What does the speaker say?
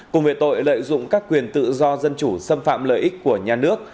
cùng về tội lợi dụng các quyền tự do dân chủ xâm phạm lợi ích của nhà nước